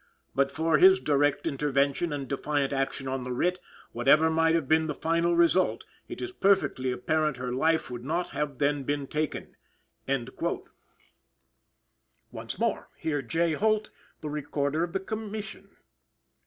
But for his direct intervention and defiant action on the writ, whatever might have been the final result, it is perfectly apparent her life would not then have been taken." Once more. Hear J. Holt, the Recorder of the Commission!